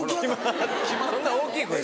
そんな大きい声で。